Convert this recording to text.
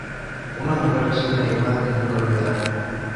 Una mujer recibe una llamada que nunca olvidará.